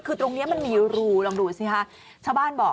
คือตรงนี้มันมีรูลองดูสิค่ะ